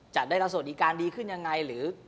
จะได้รับสวัสดิการดีขึ้นยังไงหรือ